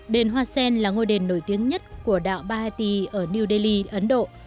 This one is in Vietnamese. đền hoa sen là ngôi đền nổi tiếng nhất của đạo bahati ở new delhi ấn độ